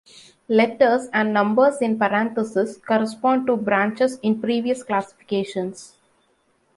Letters and numbers in parentheses correspond to branches in previous classifications.